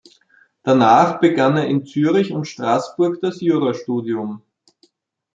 Danach begann er in Zürich und Straßburg das Jura-Studium.